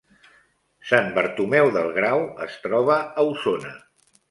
Sant Bartomeu del Grau es troba a Osona